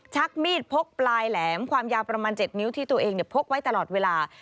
ชักมีดพกปลายแหลมความยาวประมาณ๗นิ้วที่ตัวเองพกไว้ตลอดเวลา